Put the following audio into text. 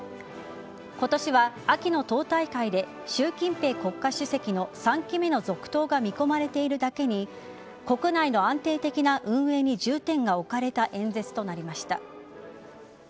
今年は秋の党大会で習近平国家主席の３期目の続投が見込まれているだけに国内の安定的な運営に重点が置かれた演説となりました。